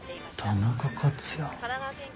田中克也。